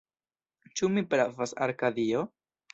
Ĉu mi pravas, Arkadio?